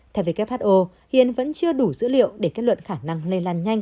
theo who hiện vẫn chưa đủ dữ liệu để kết luận khả năng lây lan nhanh